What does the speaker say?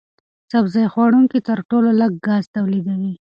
سبزي خوړونکي تر ټولو لږ ګاز تولیدوي.